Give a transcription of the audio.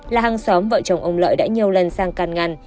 là hàng xóm vợ chồng ông lợi đã nhiều lần sang can ngăn